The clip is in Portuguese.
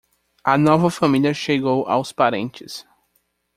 A nova família chegou aos parentes.